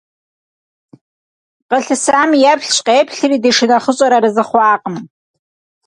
Къылъысам еплъщ-къеплъри, ди шынэхъыщӀэр арэзы хъуакъым.